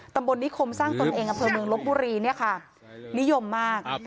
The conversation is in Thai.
ตำบลนิคมสร้างตนเองอำเภอเมืองลบบุรีเนี่ยค่ะนิยมมาก